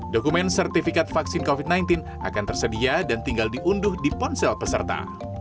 dokumen sertifikat vaksin covid sembilan belas akan tersedia dan tinggal diunduh di ponsel peserta